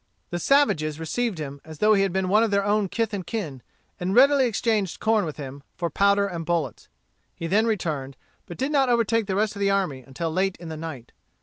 The savages received him as though he had been one of their own kith and kin, and readily exchanged corn with him, for powder and bullets. He then returned, but did not overtake the rest of the army until late in the night.